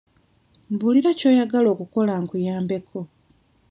Mbuulira ky'oyagala okukola nkuyambeko.